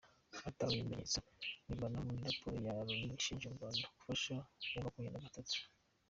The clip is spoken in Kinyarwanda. Hatahuhwe ibimenyetso mpimbano muri raporo ya Loni ishinja u Rwanda gufasha M makumyabiri Nagatatu